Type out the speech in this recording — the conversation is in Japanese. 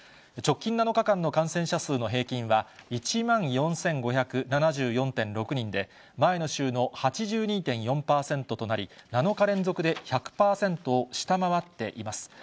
直近７日間の感染者数の平均は、１万４５７４．６人で、前の週の８２．４％となり、７日連続で１００％を下回っています。